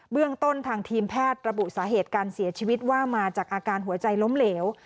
เรื่องต้นทางทีมแพทย์ระบุสาเหตุการเสียชีวิตว่ามาจากอาการหัวใจล้มเหลว